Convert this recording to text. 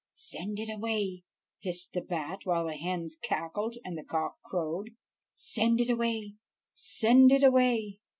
"Send it away!" hissed the bat, while the hens cackled and the cock crowed. "Send it away! send it away!"